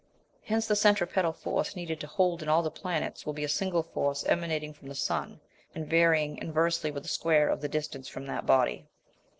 Hence the centripetal force needed to hold in all the planets will be a single force emanating from the sun and varying inversely with the square of the distance from that body.